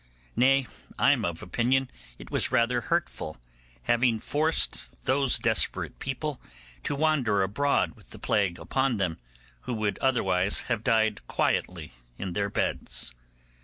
Nay, I am of opinion it was rather hurtful, having forced those desperate people to wander abroad with the plague upon them, who would otherwise have died quietly in their beds.